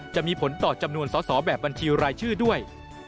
จะมีผลต่อจำนวนสอสอแบบบัญชีรายชื่อด้วย